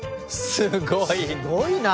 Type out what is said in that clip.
すごい！